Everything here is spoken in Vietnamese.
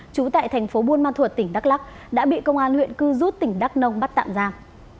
trú tại thành phố buôn ma thuột tỉnh đắk lắc đã bị công an huyện cư rút tỉnh đắk nông bắt tạm giam